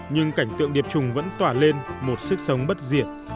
nhưng cảnh tượng điệp trùng vẫn tỏa lên một sức sống bất diệt